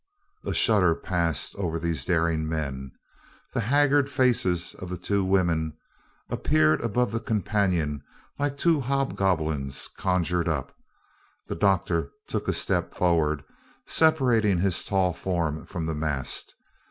A shudder passed over these daring men. The haggard faces of the two women appeared above the companion like two hobgoblins conjured up. The doctor took a step forward, separating his tall form from the mast.